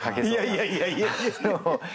いやいやいやいや。